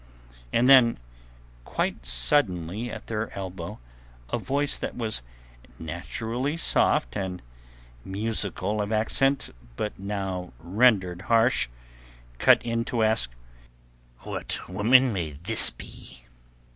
And then quite suddenly at their elbow a voice that was naturally soft and musical of accent but now rendered harsh, cut in to ask: "What woman may this be?"